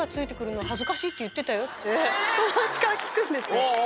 って友達から聞くんですよ。